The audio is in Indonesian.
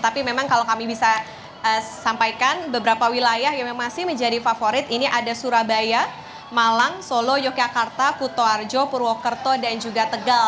tapi memang kalau kami bisa sampaikan beberapa wilayah yang masih menjadi favorit ini ada surabaya malang solo yogyakarta kutoarjo purwokerto dan juga tegal